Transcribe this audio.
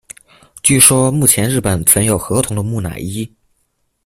据说目前日本存有河童的木乃伊。